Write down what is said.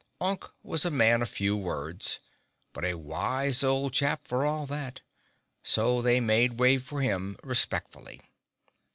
Unk was a man of few words, but a wise old chap for all that, so they made way for him respectfully.